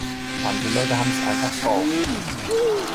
Manche Leute haben es einfach drauf.